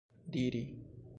diri